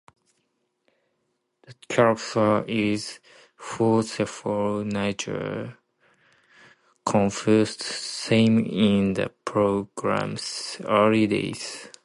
The character's forceful nature confused some in the program's early days.